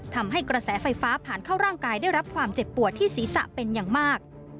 ทำให้กระแสไฟฟ้าผ่านเข้าร่างกายได้รับความเจ็บปวดที่ศีรษะเป็นอย่างมาก